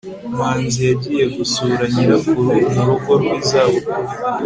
manzi yagiye gusura nyirakuru mu rugo rw'izabukuru